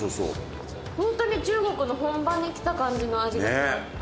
ホントに中国の本場に来た感じの味がします。